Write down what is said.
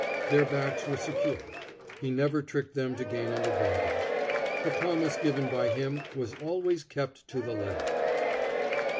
Their backs were secure. He never tricked them to gain an advantage. A promise given by him was always kept to the letter.